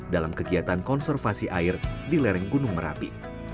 dalam kegiatan konservasi air di lereng gunung merapi